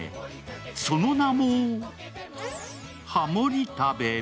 その名も、ハモり食べ。